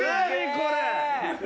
これ！